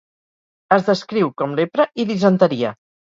Es descriu com lepra i disenteria.